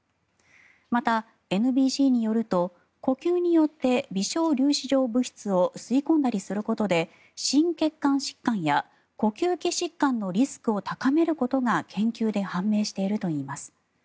また、ＮＢＣによると呼吸によって微小粒子状物質を吸い込んだりすることで心血管疾患や呼吸器疾患のリスクを高めることが研究で判明しているといいます。